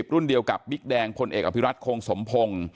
รุ่นเดียวกับบิ๊กแดงพลเอกอภิรัตคงสมพงศ์